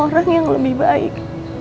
orang yang lebih baik